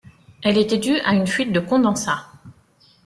Elle était due à une fuite de condensats.